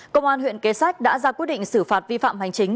công an huyện kế sách đã ra quyết định xử phạt vi phạm hành chính